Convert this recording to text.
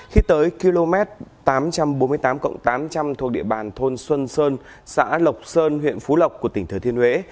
khi tới km tám trăm bốn mươi tám tám trăm linh thuộc địa bàn thôn xuân sơn xã lộc sơn huyện phú lộc của tỉnh thừa thiên huế